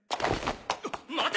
待て！